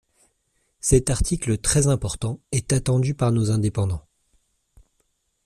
Cet article très important est attendu par nos indépendants.